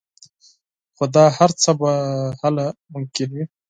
خو دا هر څه به هله ممکن وي